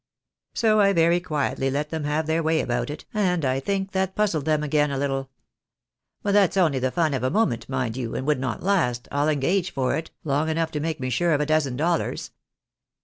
So I very quietly let them have their way about it, and I think that puzzled them again a little. But that's only the fun of a moment, mind you, and would not last, I'll engage for it, long enough to make me sure of a dozen dollars.